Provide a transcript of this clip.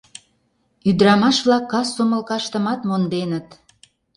Ӱдырамаш-влак кас сомылкаштымат монденыт.